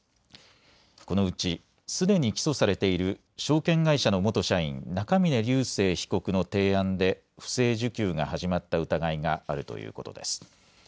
このうち、すでに起訴されている証券会社の元社員、中峯竜晟被告の提案で不正受給が始まった疑いがあるということです。